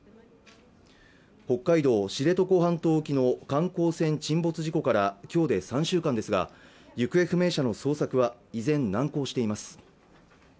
北海道・知床半島沖の観光船沈没事故から今日で３週間ですが行方不明者の捜索は依然、難航しています